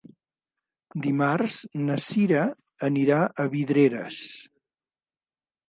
Dimarts na Cira anirà a Vidreres.